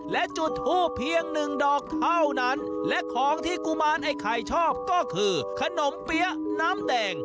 และจุดทูบเพียงหนึ่งดอกเท่านั้นและของที่กุมารไอ้ไข่ชอบก็คือขนมเปี๊ยะน้ำแดง